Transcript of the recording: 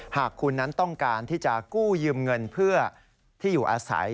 หากคุณนั้นต้องการที่จะกู้ยืมเงินเพื่อที่อยู่อาศัย